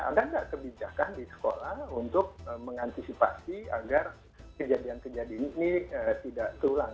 ada nggak kebijakan di sekolah untuk mengantisipasi agar kejadian kejadian ini tidak terulang